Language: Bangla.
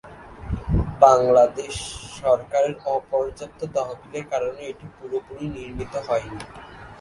বাংলাদেশ সরকারের অপর্যাপ্ত তহবিলের কারণে এটি পুরোপুরি নির্মিত হয়নি।